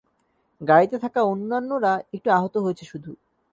গাড়িতে থাকা অন্যান্যরা একটু আহত হয়েছে শুধু।